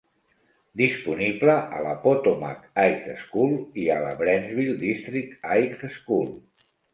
Disponible a la Potomac High School i a la Brentsville District High School.